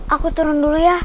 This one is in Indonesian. aku turun dulu ya